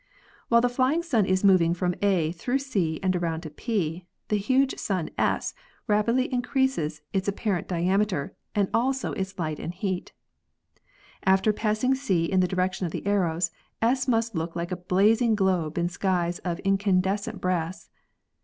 While the flying sun is moving from A through C and around to P, the huge sun S rapidly increases its apparent diameter and also its light and heat. After pass ing C in the direction of the arrows, S must look like a blazing globe in skies of incandescent brass.